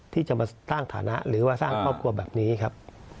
ที่จะมาสร้างฐานะหรือว่าสร้างครอบครัวแบบนี้ครับ